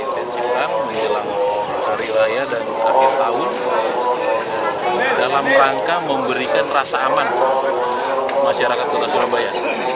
kita intensifkan di dalam hari raya dan tahun tahun dalam rangka memberikan rasa aman ke masyarakat kota surabaya